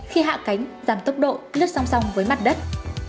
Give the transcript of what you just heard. khi hạ cánh giảm tốc độ lứt song song với mặt đất